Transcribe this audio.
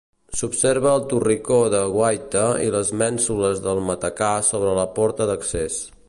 S'observa el torricó de guaita i les mènsules del matacà sobre la porta d'accés.